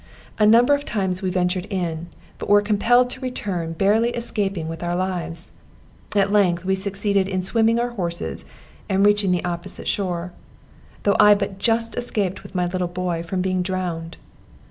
A number of times we ventured in, but were compelled to return, barely escaping with our lives. At length we succeeded in swimming our horses and reached the opposite shore; though I but just escaped with my little boy from being drowned.